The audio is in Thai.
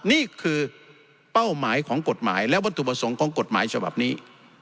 นี่คือเป้าหมายของกฎหมายและวัตถุประสงค์ของกฎหมายฉบับนี้